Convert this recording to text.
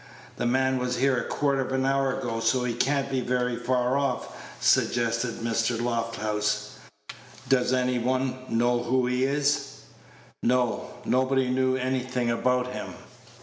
"The man was here a quarter of an hour ago, so he can't be very far off," suggested Mr. Lofthouse. "Does anybody know who he is?" No; nobody knew anything about him.